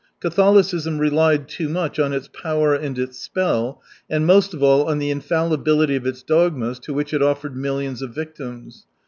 Catholicism relied too much on its power and its spell, and most of all on the infallibility of its dogmas to which it offered millions of victims.